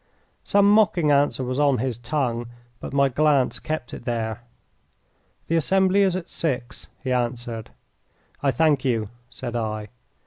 Some mocking answer was on his tongue, but my glance kept it there. "The assembly is at six," he answered. "I thank you," said I.